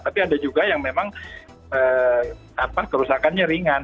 tapi ada juga yang memang kerusakannya ringan